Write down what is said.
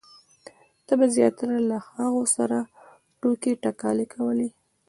تا به زیاتره له هغو سره ټوکې ټکالې کولې.